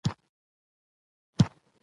او د خپلو خپلوانو کورنو ته ځي.